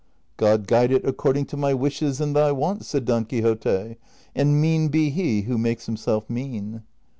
" God guide it according to my Avishes and thy wants," said Don Quixote, " and mean be he Avho makes himself mean."